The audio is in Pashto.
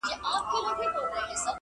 له دې مقامه دا دوه مخي په شړلو ارزي,